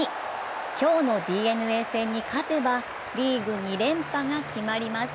今日のＤｅＮＡ戦に勝てばリーグ２連覇が決まります。